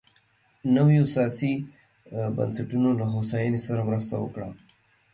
نویو سیاسي بنسټونو له هوساینې سره مرسته وکړه.